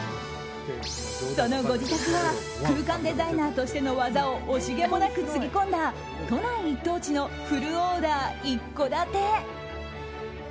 そのご自宅は空間デザイナーとしての技を惜しげもなくつぎ込んだ都内一等地のフルオーダー、一戸建て。